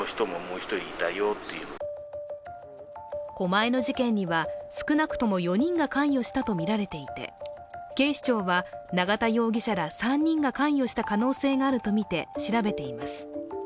狛江の事件には少なくとも４人が関与したとみられていて警視庁は永田容疑者ら３人が関与した可能性があるとみて調べています。